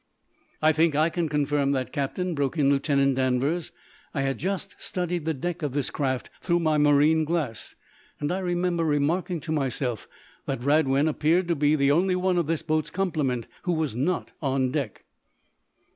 "I think I can confirm that, Captain," broke in Lieutenant Danvers. "I had just studied the deck of this craft through my marine glass, and I remember remarking to myself that Radwin appeared to be the only one of this boat's complement who was not on deck."